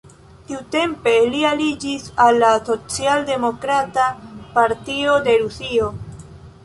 Tiutempe li aliĝis al la Socialdemokrata Partio de Rusio.